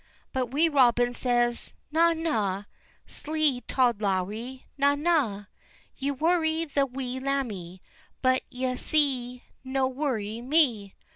But Wee Robin says: "Na, na! slee Tod Lowrie, na, na! Ye worry't the wee lammie, but ye'se no worry me."